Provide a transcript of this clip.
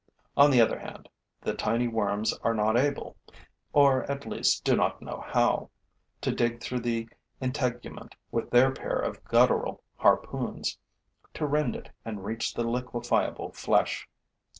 On the other hand, the tiny worms are not able or at least do not know how to dig through the integument with their pair of guttural harpoons, to rend it and reach the liquefiable flesh.